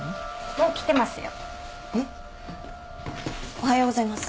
おはようございます。